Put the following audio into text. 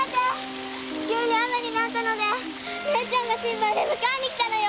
急に雨になったので姉ちゃんが心配で迎えにきたのよ！